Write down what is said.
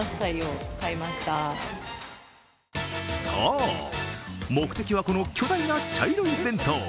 そう、目的はこの巨大な茶色い弁当